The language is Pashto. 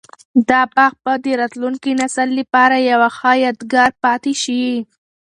دا باغ به د راتلونکي نسل لپاره یو ښه یادګار پاتي شي.